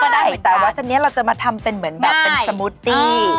ได้แต่ว่าทีนี้เราจะมาทำเป็นเหมือนแบบเป็นสมูตตี้